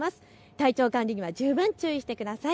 体調管理には十分注意してください。